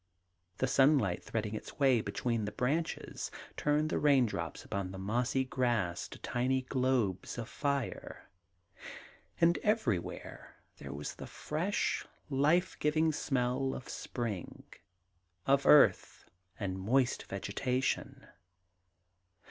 The sunlight threading its way between the branches turned the raindrops upon the mossy grass to tiny globes of fire; and everywhere there was the fresh, life giving smell of spring, of earth and moist vegetation.